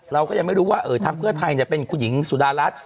เราก็ยังไม่รู้ว่าทางเพื่อไทยเป็นคุณหญิงสุดารัฐ